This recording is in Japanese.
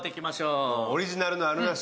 オリジナルのあるなし